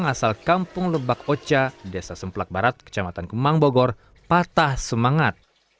asal kampung lebak oca desa semplak barat kecamatan kemang bogor patah semangat